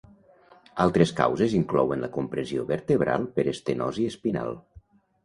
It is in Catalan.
Altres causes inclouen la compressió vertebral per estenosi espinal.